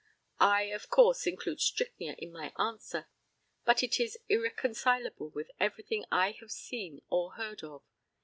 I, of course, include strychnia in my answer, but it is irreconcileable with everything I have seen or heard of.